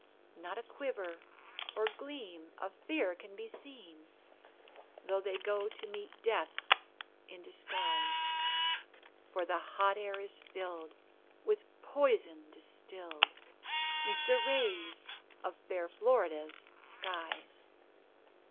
Not a quiver or gleam of fear can be seen, Though they go to meet death in disguise; For the hot air is filled with poison distilled 'Neath the rays of fair Florida's skies.